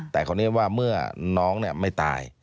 แต่คราวนี้ว่าเมื่อน้องไม่ตาย